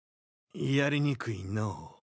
やりにくいのう。